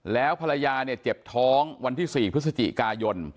แล้วภรรยาเนี่ยเจ็บท้องวันที่๔พฤศจิกายน